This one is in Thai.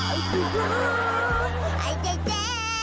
ไอ้สุภาไอ้เจ๊